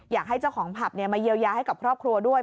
อยากให้เจ้าของผับมาเยียวยาให้กับครอบครัวด้วย